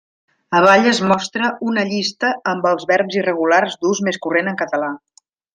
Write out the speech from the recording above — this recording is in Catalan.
Avall es mostra una llista amb els verbs irregulars d'ús més corrent en català.